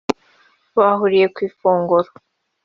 bahuriye ku ifunguro